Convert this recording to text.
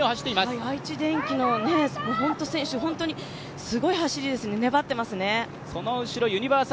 愛知電機の選手、本当にすごい選手ですね粘っていますね。